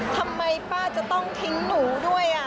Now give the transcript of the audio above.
ทำไมป้าจะต้องทิ้งหนูด้วย